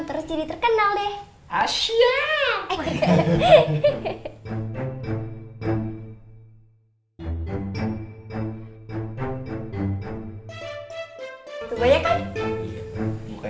terus jadi terkenal deh asyik